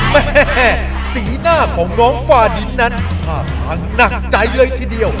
แม่สีหน้าของน้องฟาดินนั้นท่าทางหนักใจเลยทีเดียว